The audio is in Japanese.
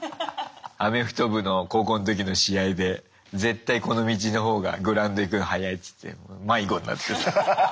アメフト部の高校の時の試合で絶対この道の方がグラウンド行くの早いっつって迷子になってる。